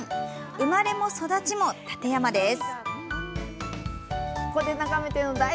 生まれも育ちも館山です。